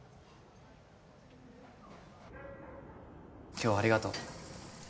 今日はありがとう。